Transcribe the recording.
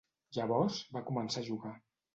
Llavors va començar a jugar.